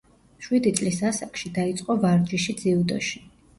შვიდი წლის ასაკში დაიწყო ვარჯიში ძიუდოში.